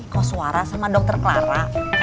kok suara sama dokter clara